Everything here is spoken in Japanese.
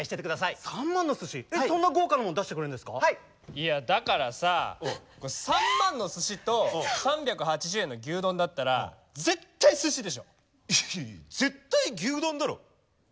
いやだからさ３万円のすしと３８０円の牛丼だったら絶対すしでしょ！いやいや絶対牛丼だろ。